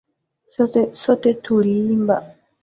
Sote tuliimba.